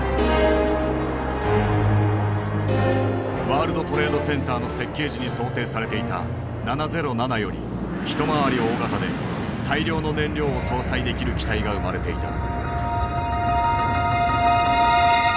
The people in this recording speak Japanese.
ワールドトレードセンターの設計時に想定されていた７０７より一回り大型で大量の燃料を搭載できる機体が生まれていた。